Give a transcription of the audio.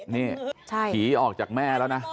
นี่ผีออกจากแม่แล้วนะ